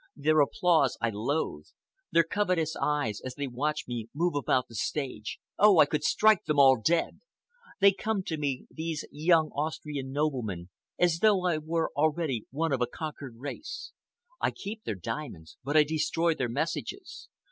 Their applause I loathe—their covetous eyes as they watch me move about the stage—oh, I could strike them all dead! They come to me, these young Austrian noblemen, as though I were already one of a conquered race. I keep their diamonds but I destroy their messages.